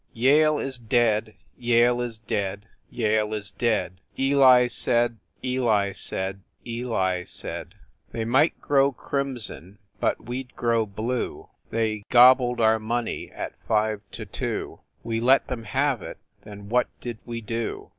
"Yale is dead, Yale is dead, Yale is dead, Eli said, Eli said, Eli said, They might grow crimson, but we d grow blue! They gobbled our money at five to two ; We let them have it, then WHAT DID WE DO?